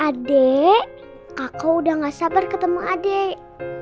adek kakak udah gak sabar ketemu adek